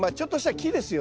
木ですよ